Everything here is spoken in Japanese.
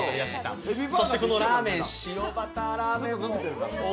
そしてこのラーメンシオバターラーメン。